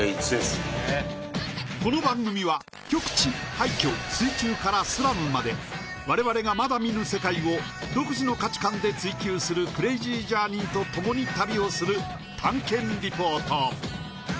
この番組は極地廃墟水中からスラムまで我々がまだ見ぬ世界を独自の価値観で追究するクレイジージャーニーと共に旅をする探検リポート